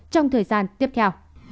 trong thời gian tiếp theo